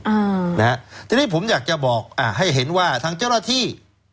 อ่านะฮะทีนี้ผมอยากจะบอกอ่าให้เห็นว่าทางเจ้าหน้าที่